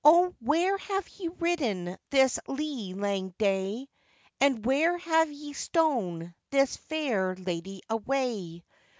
....' 'O, where have ye ridden this lee lang day, And where have ye stown this fair lady away?